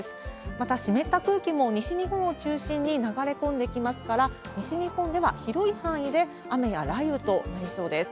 また、湿った空気も西日本を中心に流れ込んできますから、西日本では広い範囲で雨や雷雨となりそうです。